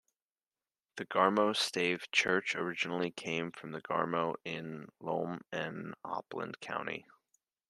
The Garmo stave church originally came from Garmo in Lom in Oppland county.